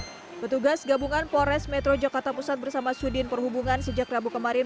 hai petugas gabungan pores metro jakarta pusat bersama sudin perhubungan sejak rabu kemarin